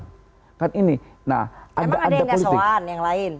emang ada yang gak soan yang lain